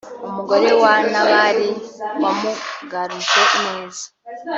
umugore wa Nabali wamugaruje ineza